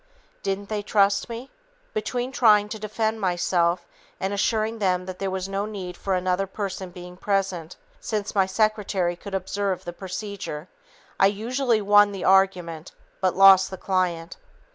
Didn't they trust me? Between trying to defend myself and assuring them that there was no need for another person being present, since my secretary could observe the procedure, I usually "won" the argument but lost the client.